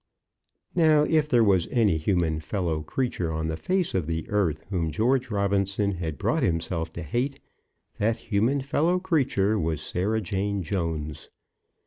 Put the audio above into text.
Now if there was any human fellow creature on the face of this earth whom George Robinson had brought himself to hate, that human fellow creature was Sarah Jane Jones.